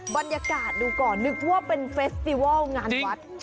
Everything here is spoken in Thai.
บรรยากาศดูก่อนนึกว่าเป็นเฟสติวัลงานวัด